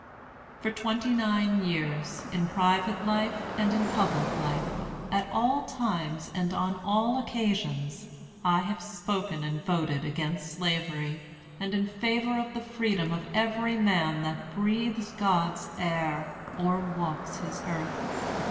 "For twenty nine years, in private life and in public life, at all times and on all occasions, I have spoken and voted against Slavery, and in favor of the freedom of every man that breathes God's air or walks His earth.